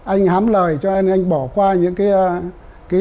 anh hám lời cho anh bỏ qua những cái